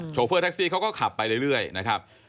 โฟเฟอร์แท็กซี่เขาก็ขับไปเรื่อยนะครับ